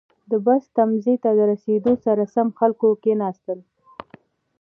• د بس تمځي ته رسېدو سره سم، خلکو کښېناستل.